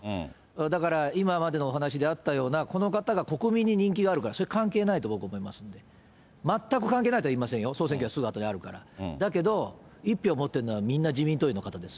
だから今までのお話しであったような、この方が国民に人気があるから、それは関係ないと僕思いますんで、全く関係ないとは言いませんよ、総選挙はすぐあとにあるから、だけど、１票持ってるのは、みんな自民党員の方です。